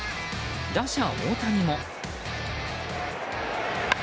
打者・大谷も。